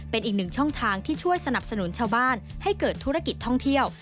เป็นอีกหนึ่งช่องทางที่ช่วยสนับสนุนชาวบ้านให้เกิดธุรกิจท่องเที่ยว